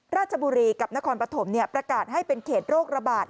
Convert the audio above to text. ราชบุรีกับนครปฐมประกาศให้เป็นเขตโรคระบาด